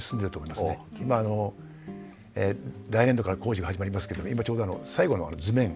まあ来年度から工事が始まりますけど今ちょうど最後の図面実施